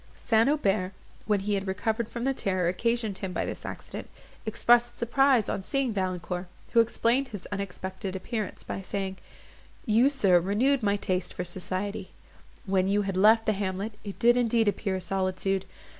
St. Aubert, when he had recovered from the terror occasioned him by this accident, expressed surprise on seeing Valancourt, who explained his unexpected appearance by saying, "You, sir, renewed my taste for society; when you had left the hamlet, it did indeed appear a solitude.